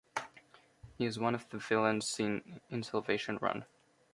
He is one of the villains seen in "Salvation Run".